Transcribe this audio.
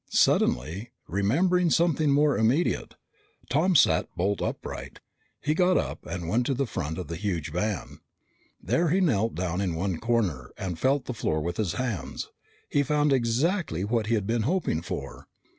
Suddenly remembering something more immediate, Tom sat bolt upright. He got up and went to the front of the huge van. There he knelt down in one corner and felt the floor with his hands. He found exactly what he had been hoping for.